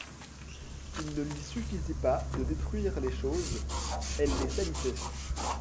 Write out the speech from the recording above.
Il ne lui suffisait pas de détruire les choses, elle les salissait.